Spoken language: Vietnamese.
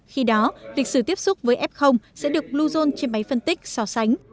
khi đó lịch sử tiếp xúc với f sẽ được bluezone trên máy phân tích so sánh